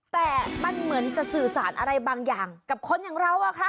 แต่มันเหมือนจะสื่อสารอะไรบางอย่างกับคนอย่างเราอะค่ะ